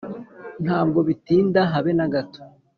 ntabwo bitinda habe nagato